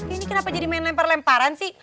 ini kenapa jadi main lempar lemparan sih